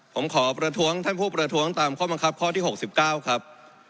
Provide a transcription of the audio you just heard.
ผมขอประท้วงท่านผู้ประท้วงตามข้อบังคับข้อที่๖๙ครับ